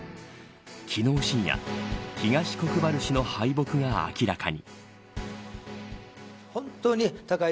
昨日、深夜東国原氏の敗北が明らかに。